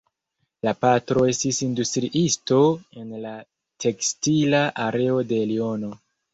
La patro estis industriisto en la tekstila areo de Liono.